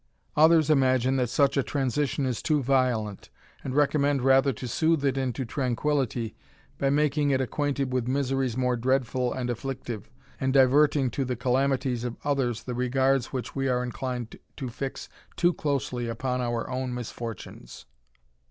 Others imagine, that such a transition is too violent, and recommend rather to sooth it into tranquillity, by making it acquainted with miseries more dreadful and afflictive, and diverting to the calamities of others the regards which we are inclined to fix too closely upon our own misfortunes.